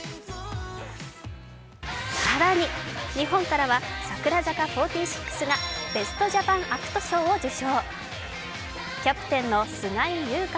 更に日本からは櫻坂４６がベスト・ジャパン・アクト賞を受賞。